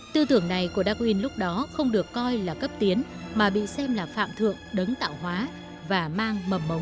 tư tưởng này của darwin lúc đó không được coi là cấp tiến mà bị xem là phạm thượng đấng tạo hóa và mang mầm mống nổi loạn